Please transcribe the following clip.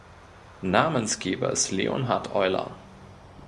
Namensgeber ist Leonhard Euler.